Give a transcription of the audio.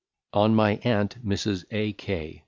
On my Aunt Mrs A. K.